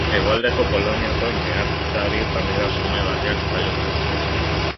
Hegoaldeko Poloniako meatzari familia xume batean jaio zen.